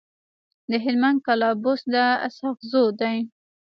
د هلمند کلابست د اسحق زو دی.